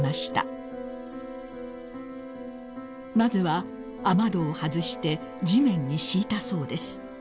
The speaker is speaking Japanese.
［まずは雨戸を外して地面に敷いたそうです］